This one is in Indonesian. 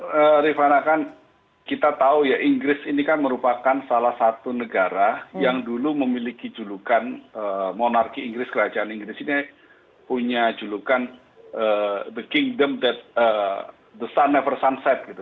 ya rifana kan kita tahu ya inggris ini kan merupakan salah satu negara yang dulu memiliki julukan monarki inggris kerajaan inggris ini punya julukan the kingdom that the sun never sunset gitu